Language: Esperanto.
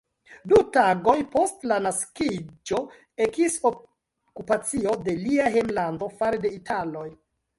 Du tagoj post la naskiĝo ekis okupacio de lia hejmlando fare de Italoj.